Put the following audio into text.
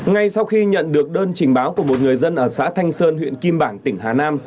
ngay sau khi nhận được đơn trình báo của một người dân ở xã thanh sơn huyện kim bảng tỉnh hà nam